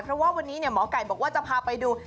เพราะว่าวันนี้หมอไก่บอกว่าจะพาไปดู